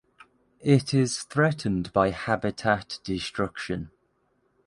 It is threatened by habitat destruction.